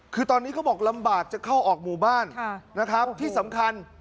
คือตอนนี้เขาบอกลำบากจะเข้าออกหมู่บ้านนะครับที่สำคัญ